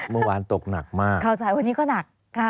เมื่อวานตกหนักมาก